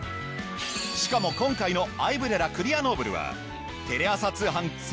しかも今回のアイブレラクリアノーブルは。